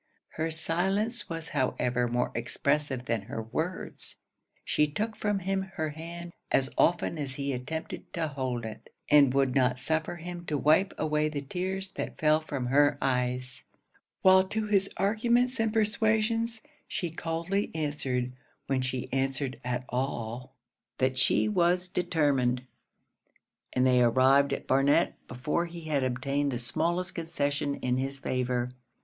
Her silence was however more expressive than her words. She took from him her hand, as often as he attempted to hold it, and would not suffer him to wipe away the tears that fell from her eyes; while to his arguments and persuasions she coldly answered, when she answered at all, 'that she was determined:' and they arrived at Barnet before he had obtained the smallest concession in his favour.